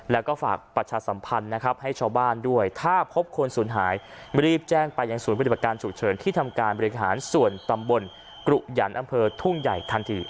แล้วก็ฝากประชาสัมพันธ์นะครับให้ชาวบ้านด้วยถ้าพบคนสูญหายรีบแจ้งไปยังศูนย์ปฏิบัติการฉุกเฉินที่ทำการบริหารส่วนตำบลกรุหยันต์อำเภอทุ่งใหญ่ทันที